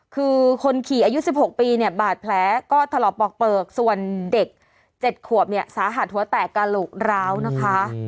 คือคนขี่อายุ๑๖ปีเนี่ยบาดแผลก็ถลอกปอกเปลือกส่วนเด็ก๗ขวบเนี่ยสาหัสหัวแตกกระโหลกร้าวนะคะ